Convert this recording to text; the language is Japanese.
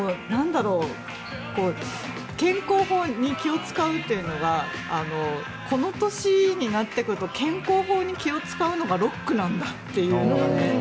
健康法に気を使うというのがこの年になってくると健康法に気を使うのがロックなんだっていうのがね